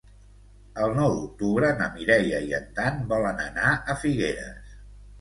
El nou d'octubre na Mireia i en Dan volen anar a Figueres.